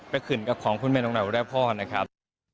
ไปขึ้นกับของแม่นกน้อยอุไรพรนะครับ